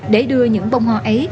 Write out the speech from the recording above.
để đưa những bông hoa ấy